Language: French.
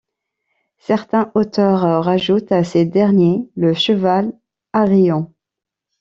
Certains auteurs rajoutent à ces derniers, le cheval Arion.